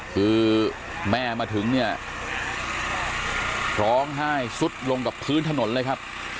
คือแม่มาถึงเนี่ยร้องไห้สุดลงกับพื้นถนนเลยครับ